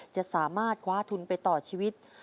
จะสามารถคว้าทุนไปต่อชีวิต